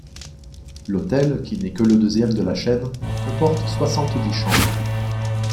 L'hôtel, qui n'est que le deuxième de la chaîne, comporte soixante-dix chambres.